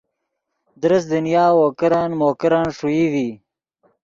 درست دنیا وو کرن مو کرن ݰوئی ڤی